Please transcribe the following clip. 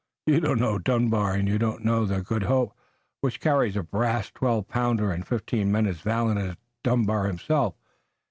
You don't know Dunbar, and you don't know the Good Hope, which carries a brass twelve pounder and fifteen men as valiant as Dunbar himself.